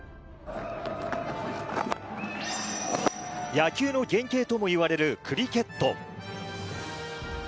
野球の原型ともいわれるクリケット。